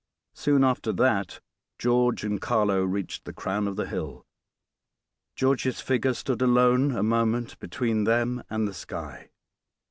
Soon after that, George and Carlo reached the crown of the hill. George's figure stood alone a moment between them and the sky.